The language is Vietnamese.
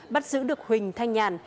bắt giữ được huỳnh thanh nhàn